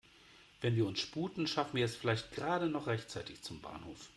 Wenn wir uns sputen, schaffen wir es vielleicht gerade noch rechtzeitig zum Bahnhof.